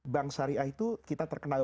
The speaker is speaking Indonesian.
bank syariah itu kita terkenal